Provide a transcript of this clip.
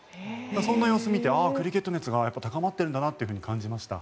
そんな様子を見てクリケット熱が高まってるんだなと感じました。